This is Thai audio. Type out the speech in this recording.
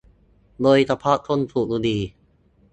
โดยเฉพาะคนสูบบุหรี่